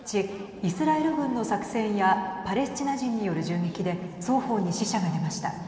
イスラエル軍の作戦やパレスチナ人による銃撃で双方に死者が出ました。